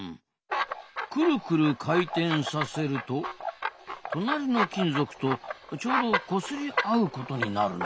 くるくる回転させると隣の金属とちょうどこすり合うことになるな。